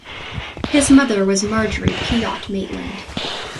His mother was Marjory Pyott Maitland.